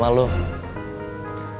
gak perlu ngeles